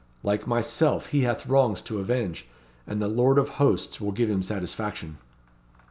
Like myself he hath wrongs to avenge, and the Lord of Hosts will give him satisfaction."